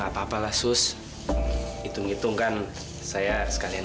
kok mau maunya ngelepasin pekerjaan